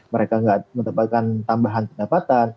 mereka tidak mendapatkan tambahan pendapatan